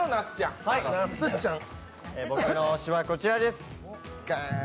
僕の推しはこちらです。